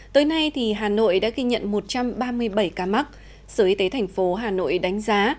tới nay hà nội đã ghi nhận một trăm ba mươi bảy ca mắc sở y tế thành phố hà nội đánh giá